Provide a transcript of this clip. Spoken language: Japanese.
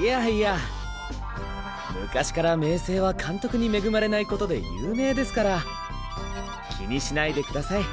いやいや昔から明青は監督に恵まれない事で有名ですから気にしないでください。